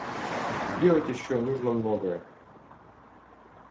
Сделать еще нужно многое.